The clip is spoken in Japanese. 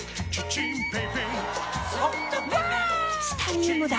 チタニウムだ！